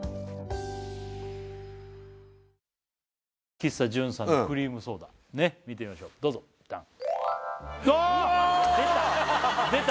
喫茶ジュンさんのクリームソーダ見てみましょうどうぞダン！あっ出た！